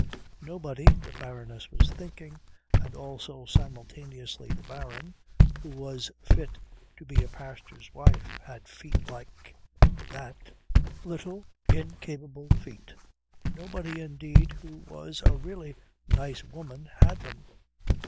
Nobody, the Baroness was thinking, and also simultaneously the Baron, who was fit to be a pastor's wife had feet like that little, incapable feet. Nobody, indeed, who was a really nice woman had them.